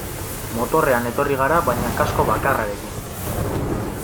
Motorrean etorri gara baina kasko bakarrarekin.